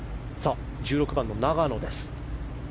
１６番の永野です。